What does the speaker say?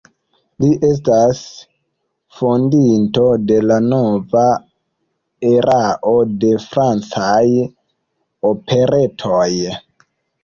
Li estas fondinto de la nova erao de francaj operetoj.